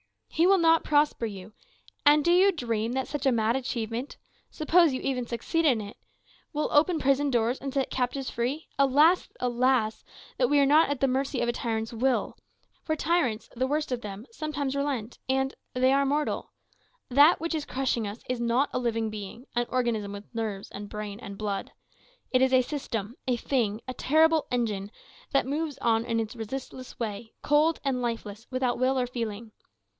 "He will not prosper you. And do you dream that such a mad achievement (suppose you even succeed in it) will open prison doors and set captives free? Alas! alas! that we are not at the mercy of a tyrant's will. For tyrants, the worst of them, sometimes relent; and they are mortal. That which is crushing us is not a living being, an organism with nerves, and brain, and blood. It is a system, a THING, a terrible engine, that moves on in its resistless way, cold and lifeless, without will or feeling.